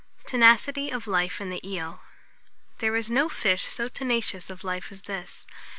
TENACITY OF LIFE IN THE EEL. There is no fish so tenacious of life as this.